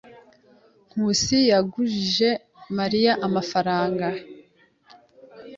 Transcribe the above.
Nkusi yagujije Mariya amafaranga.